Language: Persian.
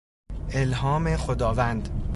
الهام خداوند